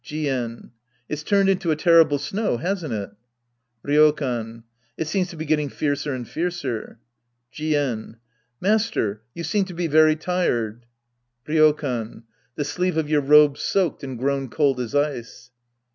Jien. It's turned into a terrible snow, hasn't it ? Ryokan. It seems to be getting fiercer and fiercer. Jien. Master. You seem to be very tired. Ryokan. The sleeve of your robe's soaked and grown cold as ice.